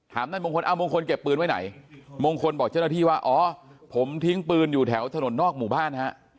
นายมงคลอ้าวมงคลเก็บปืนไว้ไหนมงคลบอกเจ้าหน้าที่ว่าอ๋อผมทิ้งปืนอยู่แถวถนนนอกหมู่บ้านฮะ